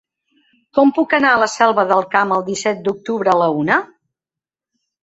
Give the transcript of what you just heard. Com puc anar a la Selva del Camp el disset d'octubre a la una?